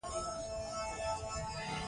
کله ناکله پېرودونکي توکي په پور هم اخلي